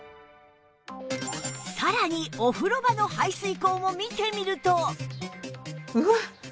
さらにお風呂場の排水口も見てみると